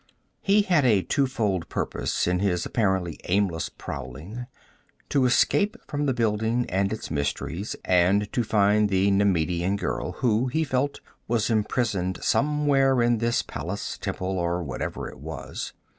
He had a twofold purpose in his apparently aimless prowling: to escape from the building and its mysteries, and to find the Nemedian girl who, he felt, was imprisoned somewhere in this palace, temple, or whatever it was.